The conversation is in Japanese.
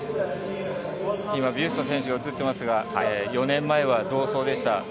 今、ビュスト選手が映っていますが、４年前は同走でした。